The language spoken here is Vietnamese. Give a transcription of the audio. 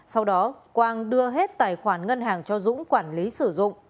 sau đó quang đưa hết tài khoản ngân hàng cho dũng quản lý sử dụng